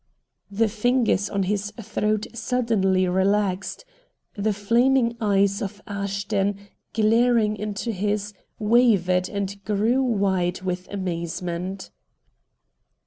The fingers on his throat suddenly relaxed; the flaming eyes of Ashton, glaring into his, wavered and grew wide with amazement.